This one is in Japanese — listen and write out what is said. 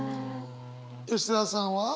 吉澤さんは？